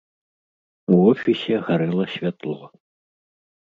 У офісе гарэла святло.